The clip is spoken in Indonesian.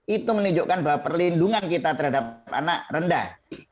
itu menunjukkan bahwa perlindungan kita terhadap anak rendah